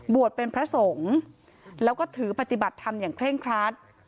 เป็นพระสงฆ์แล้วก็ถือปฏิบัติธรรมอย่างเคร่งครัด